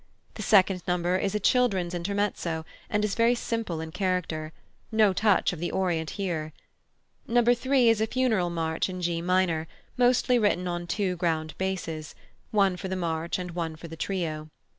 The second number is a "Children's Intermezzo," and is very simple in character. No touch of the Orient here. No. 3 is a Funeral March in G minor, mostly written on two ground basses, one for the march and one for the trio.